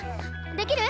できる？